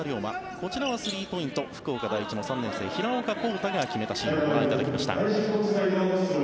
こちらはスリーポイント福岡第一の３年生平岡倖汰が決めたシーンをご覧いただきました。